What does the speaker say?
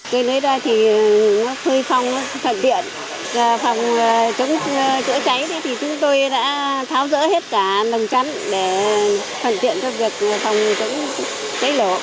phòng phơi phong phần điện phòng chữa cháy thì chúng tôi đã thao dỡ hết cả lồng chắn để phần điện cho việc phòng chữa cháy lỗ